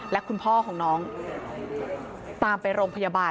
และคุณพ่อของน้องตามไปโรงพยาบาล